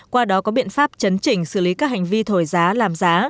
qua đó có biện pháp chấn chỉnh xử lý các hành vi thổi giá làm giá